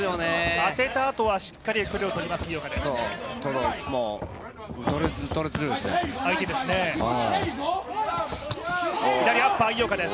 当てたあとはしっかり距離を取ります、井岡です。